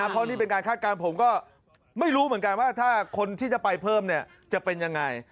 เพราะนี่เป็นการคาดการณ์ผมก็ไม่รู้เหมือนกันว่าถ้าคนที่จะไปเพิ่มเนี่ยจะเป็นยังไง